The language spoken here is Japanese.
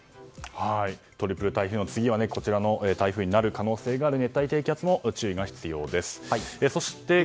トリプル台風の次はこちらの台風になる可能性がある熱帯低気圧も注意が必要です。